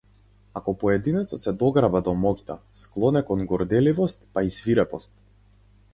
Ако поединецот се дограба до моќта, склон е кон горделивост па и свирепост.